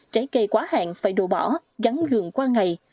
trái cây quá hạn phải đồ bỏ gắn vườn qua ngày